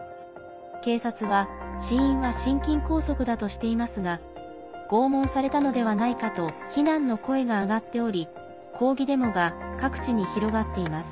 警察は死因は心筋梗塞だとしていますが拷問されたのではないかと非難の声が上がっており抗議デモが各地に広がっています。